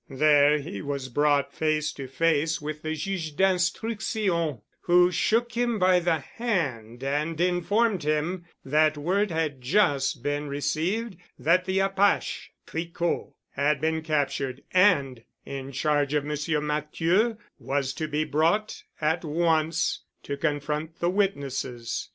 There he was brought face to face with the Juge d'Instruction, who shook him by the hand and informed him that word had just been received that the apache, Tricot, had been captured and in charge of Monsieur Matthieu was to be brought at once to confront the witnesses.